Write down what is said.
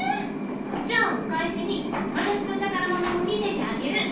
じゃあお返しに私の宝物も見せてあげる。